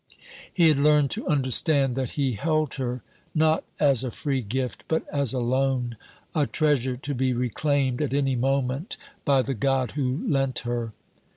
He had learned to understand that he held her, not as a free gift, but as a loan a treasure to be reclaimed at any moment by the God who lent her.